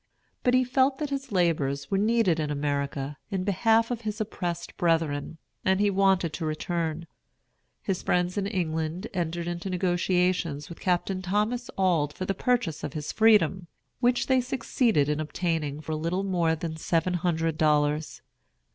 But he felt that his labors were needed in America, in behalf of his oppressed brethren, and he wanted to return. His friends in England entered into negotiations with Captain Thomas Auld for the purchase of his freedom, which they succeeded in obtaining for little more than seven hundred dollars.